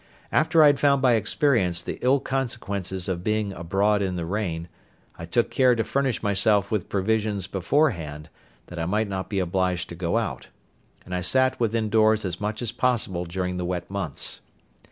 After I had found by experience the ill consequences of being abroad in the rain, I took care to furnish myself with provisions beforehand, that I might not be obliged to go out, and I sat within doors as much as possible during the wet months.